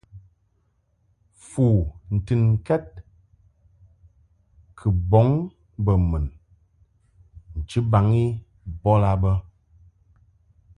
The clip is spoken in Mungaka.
Fu ntɨnkɛd kɨ bɔŋ mbo mun nchibaŋ i bɔd a bə.